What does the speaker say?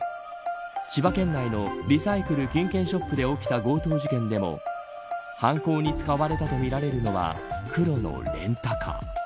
千葉県内のリサイクル・金券ショップで起きた強盗事件でも犯行に使われたとみられるのは黒のレンタカー。